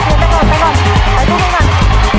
เตรียมไปก่อนไปก่อนไขทุกหน่อย